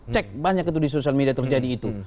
cek banyak itu di sosial media terjadi itu